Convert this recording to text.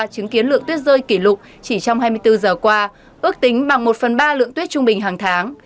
chứng kiến lượng tuyết rơi kỷ lục chỉ trong hai mươi bốn giờ qua ước tính bằng một phần ba lượng tuyết trung bình hàng tháng